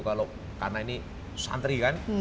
karena ini santri kan